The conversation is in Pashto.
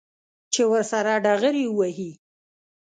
چې ورسره ډغرې ووهي.